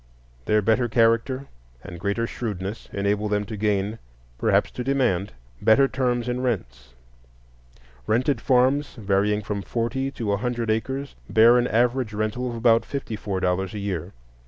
Their better character and greater shrewdness enable them to gain, perhaps to demand, better terms in rents; rented farms, varying from forty to a hundred acres, bear an average rental of about fifty four dollars a year.